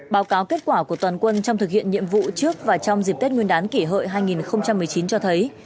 báo cáo kết quả của toàn quân trong thực hiện nhiệm vụ trước và trong dịp tết nguyên đán kỷ hợi hai nghìn một mươi chín cho thấy